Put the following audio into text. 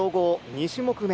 ２種目め。